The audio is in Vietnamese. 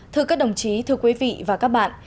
thưa các đồng chí thưa quý vị và các bạn